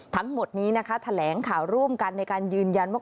ทั้งหมดนี้นะคะแถลงข่าวร่วมกันในการยืนยันว่า